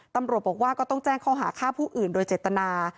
ตำรวจบอกว่าก็ต้องแจ้งข้อหาฆ่าผู้อื่นโดยเจตนา